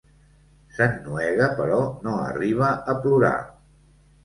S'ennuega però no arriba a plorar.